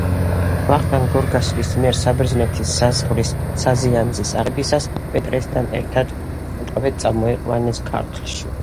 ვახტანგ გორგასალის მიერ საბერძნეთის საზღვრის ნაზიანზის აღებისას პეტრესთან ერთად ტყვედ წამოიყვანეს ქართლში.